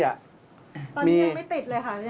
ตอนนี้ยังไม่ติดเลยค่ะ